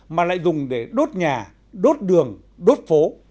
mà lại dùng để đốt nhà đốt đường đốt phố